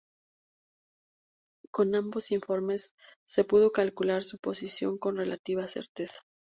Con ambos informes se pudo calcular su posición con relativa certeza.